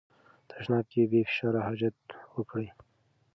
تشناب کې بې فشار حاجت وکړئ.